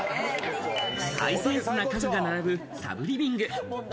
ハイセンスな家具が並ぶサブリビング。